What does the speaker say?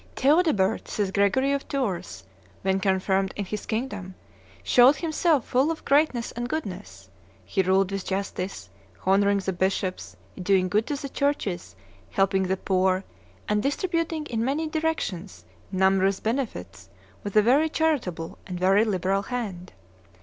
"Theodebert," says Gregory of Tours, "when confirmed in his kingdom, showed himself full of greatness and goodness; he ruled with justice, honoring the bishops, doing good to the churches, helping the poor, and distributing in many directions numerous benefits with a very charitable and very liberal hand.